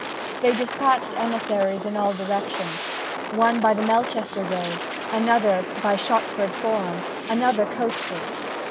They despatched emissaries in all directions; one by the Melchester Road, another by Shottsford Forum, another coastwards.